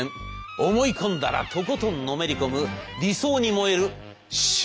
思い込んだらとことんのめり込む理想に燃える執念の男でした。